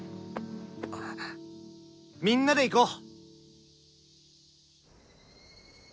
みんなで行こう！